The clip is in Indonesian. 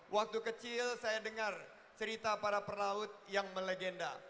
waktu kecil saya dengar cerita para perlaut yang melegenda